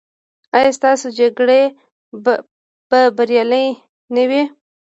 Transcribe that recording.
ایا ستاسو جرګې به بریالۍ نه وي؟